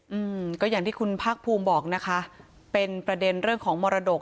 อืมก็อย่างที่คุณภาคภูมิบอกนะคะเป็นประเด็นเรื่องของมรดก